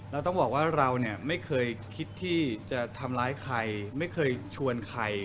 เราต้องบอกว่าเราเนี่ยไม่เคยคิดที่จะทำร้ายใครไม่เคยชวนใคร